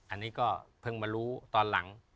อันนี้ก็เพิ่งมารู้ตอนหลัง